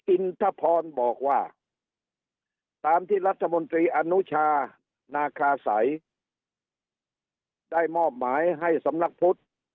อินทพรบอกว่าตามที่รัฐมนตรีอนุชานาคาสัยได้มอบหมายให้สำนักพุทธ